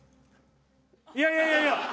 いやいやいやいや。